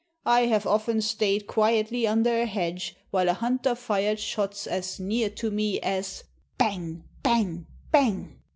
I have often stayed quietly under a hedge while a hunter fired shots as near to me as " "Bang! bang! bang!"